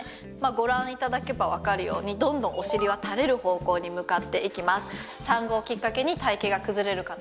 ご覧頂けばわかるようにどんどんお尻は垂れる方向に向かっていきます。